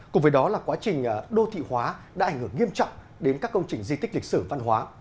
cùng với đó là quá trình đô thị hóa đã ảnh hưởng nghiêm trọng đến các công trình di tích lịch sử văn hóa